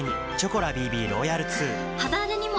肌荒れにも！